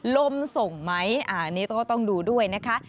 ลมส่งไหมอันนี้ก็ต้องดูด้วยนะคะ